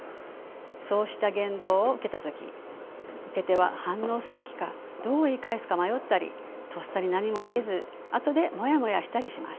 そうした言動を受けた時受け手は反応すべきかどう言い返すか迷ったりとっさに何も言えず後でモヤモヤしたりします。